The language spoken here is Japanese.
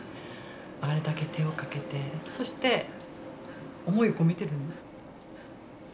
あれだけ手をかけてそして思いを込めてる。